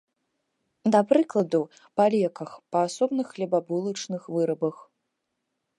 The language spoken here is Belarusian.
Да прыкладу, па леках, па асобных хлебабулачных вырабах.